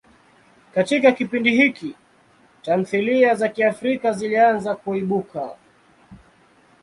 Katika kipindi hiki, tamthilia za Kiafrika zilianza kuibuka.